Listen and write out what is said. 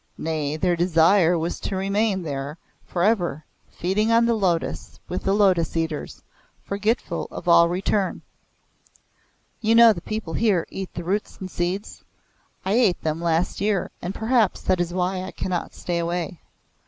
Nay, their desire was to remain there for ever, feeding on the lotus with the Lotus Eaters, forgetful of all return.' You know the people here eat the roots and seeds? I ate them last year and perhaps that is why I cannot stay away.